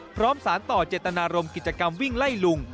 พร้อมสารต่อเจตนารมกิจกรรมวิ่งไล่ลุง